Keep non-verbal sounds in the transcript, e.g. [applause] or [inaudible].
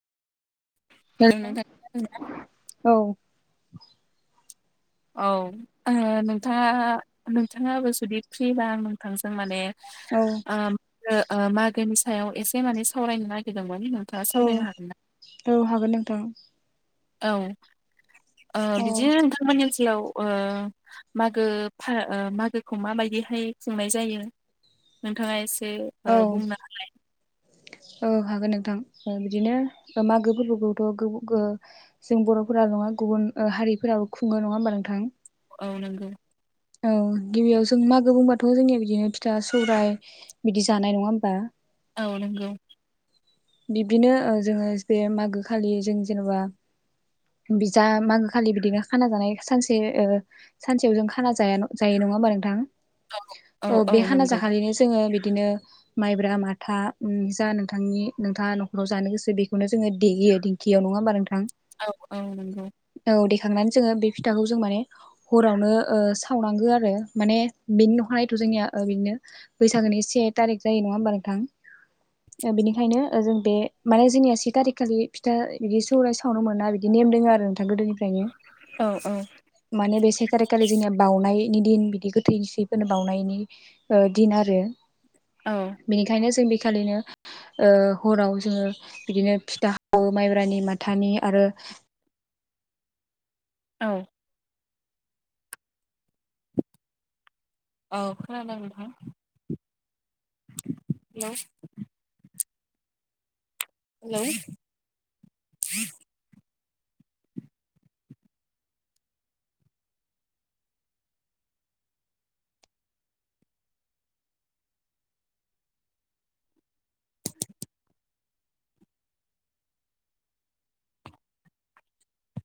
Hello [unintelligible] [inaudible] औ औ आंङो नोंथाङा नोंथाङाबो जुदि फ्रिबा आं नोंथांजों माने औ ओ ओ मागोनि सायाव एसे माने सावरायनो नागिर दोंमोन नोंथाङा सावरायनो हागोन ना? औ हागोन नोंथां औ ओ बिदिनो औ बिदिनो नोंथांमोननि ओनसोलाव ओ मागो फा ओ मागोखौ माबायदिहाय खुंनाय जायो नोंथाङा एसे ओ बुंना होलाय औ हागोन नोंथां ओ बिदिनो मागो फोरबोखौथ' गो-गो जों बर'फोरा नङा गुबुन ओ हारिफोराबो खुङो नङा होमबा नोंथां औ नोंगौ औ गिबियाव जों मागो बुंबाथ' जोंनिया बिदिनो फिथा सौराय बिदि जानाय नङा होमबा औ नंगौ बिब्दिनो ओ जोङो बे मागो खालि जों जेनेबा बिजा मागो खालि बिदिनो खाना जानाय सानसे ओ सानसेयाव जों खाना जाया जायो नङा होमबा नोंथां औ बे हाना जाखालिनो जोङो बिदिनो माइब्रा माथा ओम जा नोंथांनि नोंथाङा न'खराव जानो गोसो बेखौनो जोङो देयो दिंखियाव नङा होमबा नोंथां औ औ नंगौ औ देखांनानै जोङो बे फिथाखौ जों माने हरावनो ओ सावनांगो आरो माने बेनि अखानायैथ' जोंनिया ओ बिनो बैसागोनि से थारिख जायो नङा होमबा नोंथां ओ बेनिखायनो ओ जों बे माने जोंनिया से थारिख खालि फिथा बिदि सौराय सावनो मोना बिदि नेम दोङो आरो नोंथां गोदोनि फ्रायनो। औ औ माने बे से थारिख खालि जोंनिया बाउनायनि दिन बिदि गोथैसैफोरनो बावनायनि। ओ दिन आरो। औ। बिनिखायनो जों बेखालिनो ओ हराव जोङो बिदिनो फिथा हावो माइब्रानि माथानि आरो औ। औ खोनादों नोंथां। Hello hello